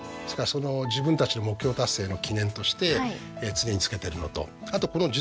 その自分たちの目標達成の記念として常に着けてるのとあとこの数珠はですね